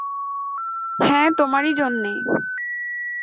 হাঁ, তোমারই জন্যে।